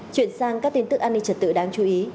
chuyển sang các tin tức an ninh trật tự đáng chú ý